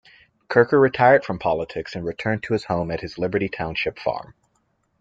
Kirker retired from politics, and returned to his home at his Liberty Township farm.